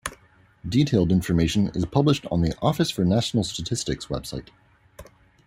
Detailed information is published on the Office for National Statistics website.